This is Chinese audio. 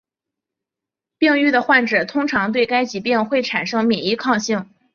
病愈后的患者通常对该疾病会产生免疫抗性。